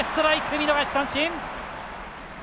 見逃し三振！